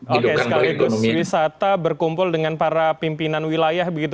oke sekaligus wisata berkumpul dengan para pimpinan wilayah begitu